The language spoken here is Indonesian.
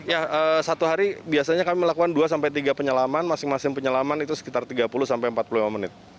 ya satu hari biasanya kami melakukan dua sampai tiga penyelaman masing masing penyelaman itu sekitar tiga puluh sampai empat puluh lima menit